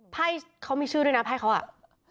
ไพ่เขามีชื่อด้วยนะไพ่เขาอ่ะ